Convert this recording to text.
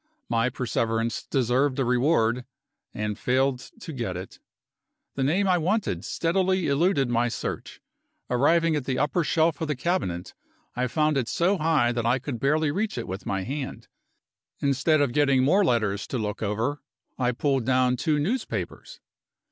My perseverance deserved a reward and failed to get it. The name I wanted steadily eluded my search. Arriving at the upper shelf of the cabinet, I found it so high that I could barely reach it with my hand. Instead of getting more letters to look over, I pulled down two newspapers.